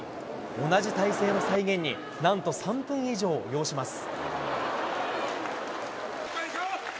同じ体勢の再現になんと３分以上を要します。